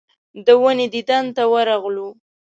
د ونې دیدن ته ورغلو.